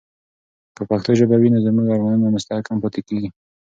که پښتو ژبه وي، نو زموږ ارمانونه مستحکم پاتې کیږي.